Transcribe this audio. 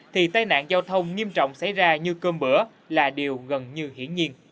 thì tai nạn giao thông nghiêm trọng xảy ra như cơm bữa là điều gần như hiển nhiên